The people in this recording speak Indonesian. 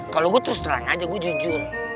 kalau gue terus terang aja gue jujur